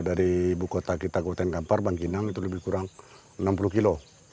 dari buku kota kita kota ingkampar bangkinang itu lebih kurang enam puluh km